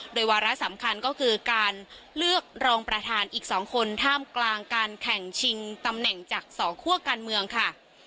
โดยวาระสำคัญก็คือการเลือกรองประธานอีก๒คนท่ามกลางการแข่งชิงตำแหน่งจากสองคั่วการเมืองค่ะ